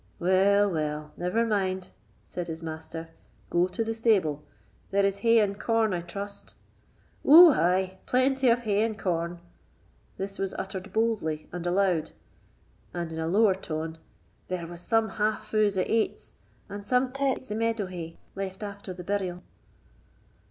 "Well, well, never mind," said his master; "go to the stable. There is hay and corn, I trust?" "Ou ay, plenty of hay and corn"; this was uttered boldly and aloud, and, in a lower tone, "there was some half fous o' aits, and some taits o' meadow hay, left after the burial."